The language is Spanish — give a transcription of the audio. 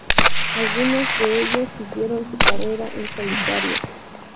Algunos de ellos siguieron su carrera en solitario.